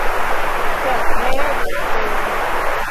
Sed ne eblis pensi.